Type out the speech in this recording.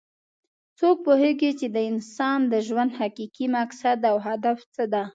څوک پوهیږي چې د انسان د ژوند حقیقي مقصد او هدف څه ده